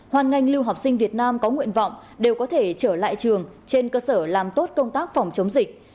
hoàn ngành lưu học sinh việt nam có nguyện vọng đều có thể trở lại trường trên cơ sở làm tốt công tác phòng chống dịch